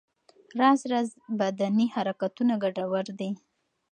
راز راز بدني حرکتونه ګټور دي.